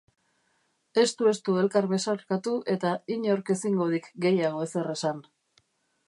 Estu-estu elkar besarkatu eta inork ezingo dik gehiago ezer esan.